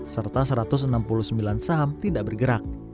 serta satu ratus enam puluh sembilan saham tidak bergerak